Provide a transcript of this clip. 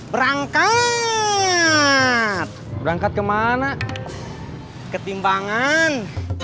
berangkat berangkat kemana ketimbangan